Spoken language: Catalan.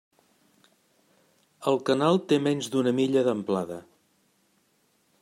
El canal té menys d'una milla d'amplada.